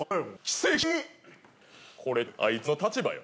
これあいつの立場よ。